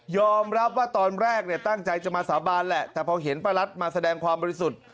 รับว่าตอนแรกตั้งใจจะมาสาบานแหละแต่พอเห็นป้ารัสมาแสดงความบริสุทธิ์